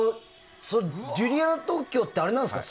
ジュリアナ東京ってあれなんですか。